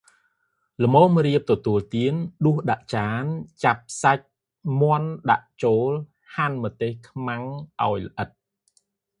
ល្មមរៀបទទួលទាន ដួសដាក់ចាន ចាប់សាច់មាន់ដាក់ចូល ហាន់ម្ទេសខ្មាំងឱ្យល្អិត